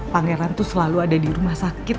pangeran tuh selalu ada di rumah sakit